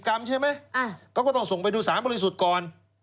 ก็๗๐กรัมใช่ไหมก็ต้องส่งไปดู๓บริสุทธิ์ก่อน